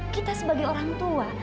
kita sebagai orang tua